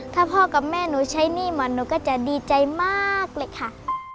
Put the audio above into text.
ถ้าพ่อกับแม่หนูใช้หนี้หมดหนูก็จะดีใจมากเลยค่ะ